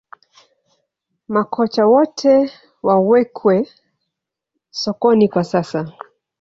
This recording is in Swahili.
Makocha wote wawekwe sokoni kwa sasa